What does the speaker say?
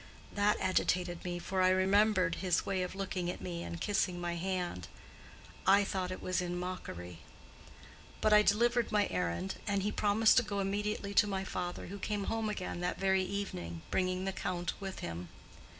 That agitated me, for I remembered his way of looking at me and kissing my hand—I thought it was in mockery. But I delivered my errand, and he promised to go immediately to my father, who came home again that very evening, bringing the Count with him.